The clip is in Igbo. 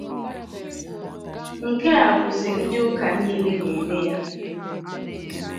Nke a bụzị ndị ụka niile na-eme ya